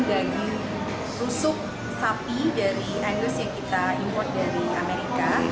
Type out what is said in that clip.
daging rusuk sapi dari endorse yang kita import dari amerika